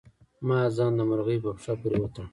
ما ځان د مرغۍ په پښه پورې وتړه.